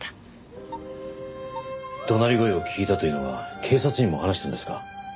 怒鳴り声を聞いたというのは警察にも話したんですか？